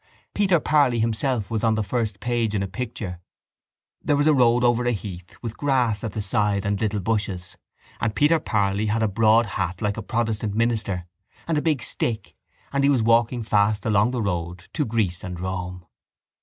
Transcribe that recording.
Peter Parley himself was on the first page in a picture. There was a road over a heath with grass at the side and little bushes: and Peter Parley had a broad hat like a protestant minister and a big stick and he was walking fast along the road to Greece and Rome.